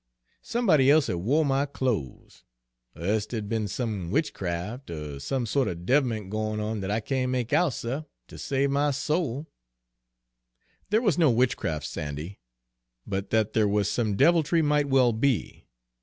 Somebody e'se had wo' my clo's, er e'se dere'd be'n some witchcraf, er some sort er devilment gwine on dat I can't make out, suh, ter save my soul!" "There was no witchcraft, Sandy, but that there was some deviltry might well be.